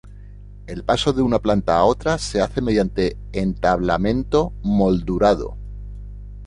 El paso de una planta a otra se hace mediante entablamento moldurado.